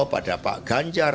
pada pak ganjar